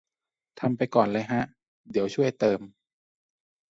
ทำไปก่อนเลยฮะ เดี๋ยวช่วยเติม